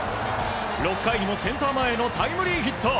６回にもセンター前へのタイムリーヒット。